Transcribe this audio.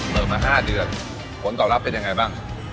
เปิดมา๕เดือนผลตอบรับเป็นยังไงบ้าง